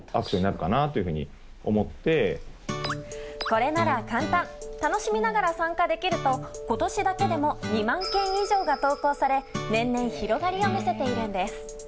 これなら簡単楽しみながら参加できると今年だけでも２万件以上が投稿され年々、広がりを見せているんです。